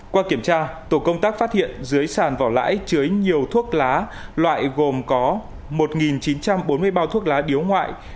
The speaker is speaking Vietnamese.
qua kiểm tra tổ công tác phát hiện dưới sàn vỏ lãi chứa nhiều thuốc lá loại gồm có một chín trăm bốn mươi bao thuốc lá điếu ngoại